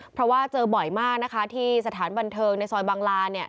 เพราะว่าเจอบ่อยมากที่สถานบันเทิงในซอยบางลา